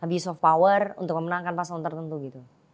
use of power untuk memenangkan pasangan tertentu gitu